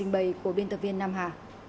bầy của biên tập viên nam hà